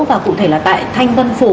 và cụ thể là tại thanh vân phủ